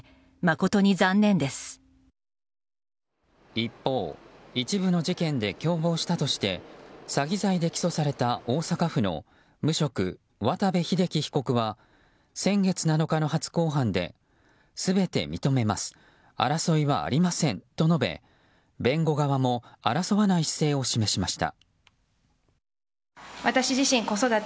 一方、一部の事件で共謀したとして詐欺罪で起訴された大阪府の無職、渡部秀規被告は先月７日の初公判で全て認めます争いはありませんと述べ弁護側も争わない姿勢を示しました。